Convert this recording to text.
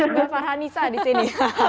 mbak farhanisa di sini